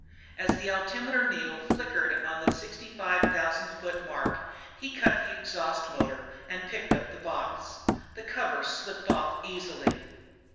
As the altimeter needle flickered on the 65,000 foot mark, he cut the exhaust motor and picked up the box. The cover slipped off easily.